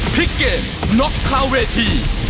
พลิกเกมน็อกคาเวที